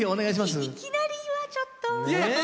いきなりはちょっと。